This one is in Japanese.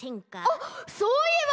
あっそういえば！